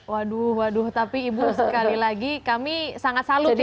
waduh waduh tapi ibu sekali lagi kami sangat salut ya